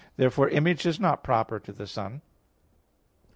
Therefore Image is not proper to the Son.